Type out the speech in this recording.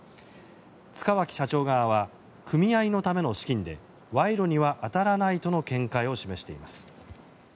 塚脇社長側は組合のための資金で賄賂には当たらないとの見解を示しています。